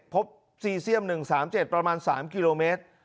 ซีเซียม๑๓๗ประมาณ๓กิโลเมตร